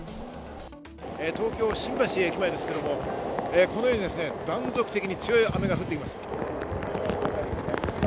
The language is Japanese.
東京・新橋駅前ですけど、このようにですね、断続的に強い雨が降ってきます。